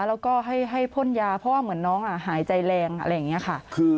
แล้วก็ให้พ่นยาเพราะว่าเหมือนน้องหายใจแรงอะไรอย่างนี้ค่ะ